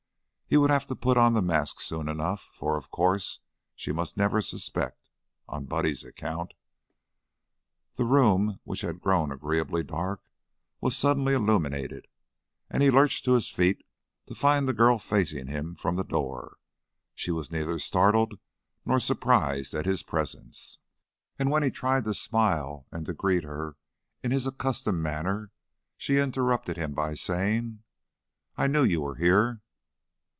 He would have to put on the mask soon enough, for, of course, she must never suspect, on Buddy's account. The room, which had grown agreeably dark, was suddenly illuminated, and he lurched to his feet to find the girl facing him from the door. She was neither startled nor surprised at his presence, and when he tried to smile and to greet her in his accustomed manner, she interrupted him by saying: "I knew you were here."